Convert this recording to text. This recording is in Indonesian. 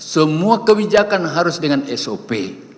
semua kebijakan harus dengan sop